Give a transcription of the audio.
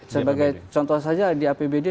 sebagai contoh saja di apbd